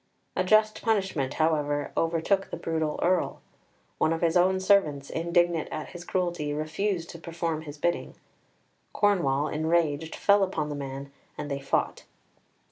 A just punishment, however, overtook the brutal Earl. One of his own servants, indignant at his cruelty, refused to perform his bidding. Cornwall, enraged, fell upon the man, and they fought.